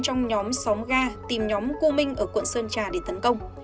trong nhóm xóm ga tìm nhóm cô minh ở quận sơn trà để tấn công